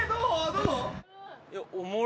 どう？